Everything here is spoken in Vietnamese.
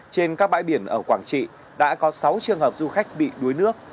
trên các bãi biển ở quảng trị đã có sáu trường hợp du khách bị đuối nước